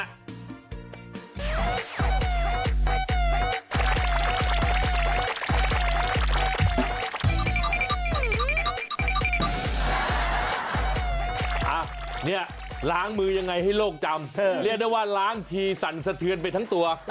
อ่ะเนี่ยล้างมือยังไงให้โลกจำเรียกได้ว่าล้างทีสั่นสะเทือนไปทั้งตัว